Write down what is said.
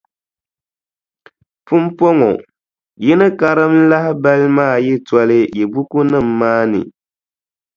Pumpɔŋɔ, yi ni karim lahibali maa yi toli yi bukunima maa ni.